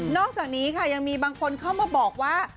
อกจากนี้ค่ะยังมีบางคนเข้ามาบอกว่า